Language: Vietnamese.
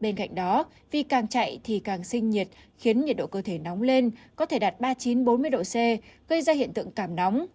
bên cạnh đó vì càng chạy thì càng sinh nhiệt khiến nhiệt độ cơ thể nóng lên có thể đạt ba mươi chín bốn mươi độ c gây ra hiện tượng cảm nóng